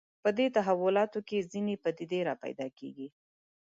په دې تحولاتو کې ځینې پدیدې راپیدا کېږي